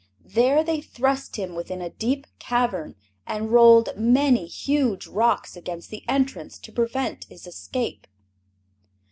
There they thrust him within a deep cavern and rolled many huge rocks against the entrance to prevent his escape.